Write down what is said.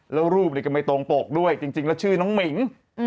แล้วรูปก็ไม่ตรงปกด้วยจริงแล้วชื่อน้องหมิง